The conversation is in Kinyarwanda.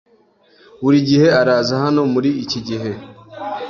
Buri gihe araza hano muri iki gihe.